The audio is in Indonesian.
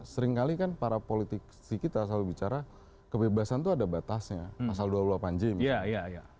seringkali kan para politisi kita selalu bicara kebebasan itu ada batasnya pasal dua puluh delapan j misalnya